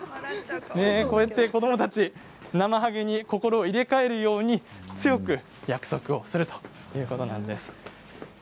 こうやって子どもたちなまはげに心を入れ替えるように強く約束をするということなんです。